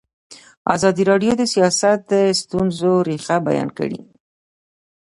ازادي راډیو د سیاست د ستونزو رېښه بیان کړې.